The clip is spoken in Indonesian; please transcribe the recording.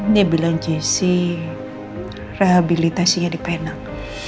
dia bilang jesse rehabilitasinya di penang